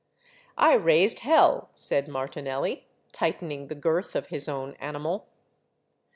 " I raised hell," said Martinelli, tightening the girth of his own animal.